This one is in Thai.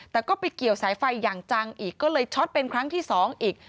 แต่ก็ไปเกี่ยวสายไฟอย่างจังอีกก็เลยช็อตเป็นครั้งที่สองอีก